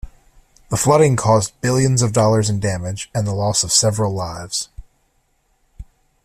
The flooding caused billions of dollars in damage and the loss of several lives.